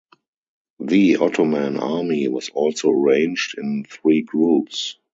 The Ottoman army was also arranged in three groups.